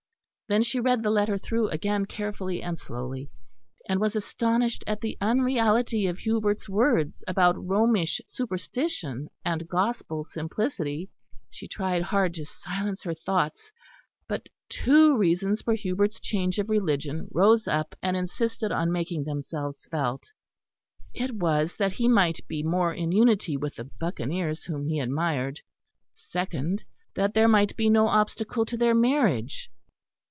Then she read the letter through again carefully and slowly; and was astonished at the unreality of Hubert's words about Romish superstition and gospel simplicity. She tried hard to silence her thoughts; but two reasons for Hubert's change of religion rose up and insisted on making themselves felt; it was that he might be more in unity with the buccaneers whom he admired; second, that there might be no obstacle to their marriage.